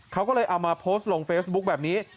เขาก็เลยเอามาโพสต์ลงเฟซบุ๊คแบบนี้